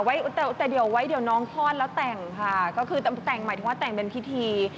แต่เดี๋ยวไว้เดี๋ยวน้องคลอดแล้วแต่งค่ะก็คือแต่งหมายถึงว่าแต่งเป็นพิธี